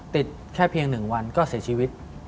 ติดแค่เพียง๑วันก็เสียชีวิต